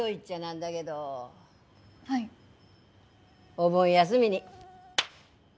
お盆休みに。